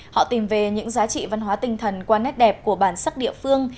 họ tìm về những giá trị văn hóa tinh thần qua nét đẹp của bản sắc địa phương